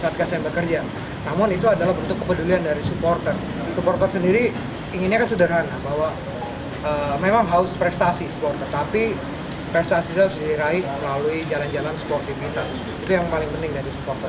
tapi ada pelaku yang lebih tinggi selain johar